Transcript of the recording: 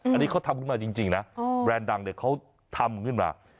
อันนี้เขาทำขึ้นมาจริงนะแบรนด์ดังเนี่ยเขาทำขึ้นมา